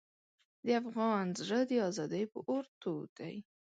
د افغان زړه د ازادۍ په اور تود دی.